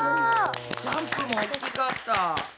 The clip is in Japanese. ジャンプも大きかった。